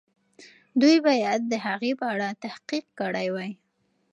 دوی باید د هغې په اړه تحقیق کړی وای.